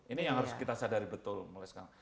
ini yang harus kita sadari betul mulai sekarang